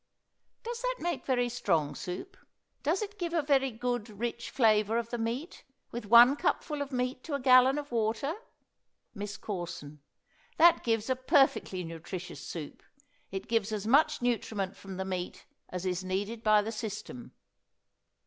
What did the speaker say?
_ Does that make very strong soup does it give a very good rich flavor of the meat, with one cupful of meat to a gallon of water? MISS CORSON. That gives a perfectly nutritious soup. It gives as much nutriment from the meat as is needed by the system.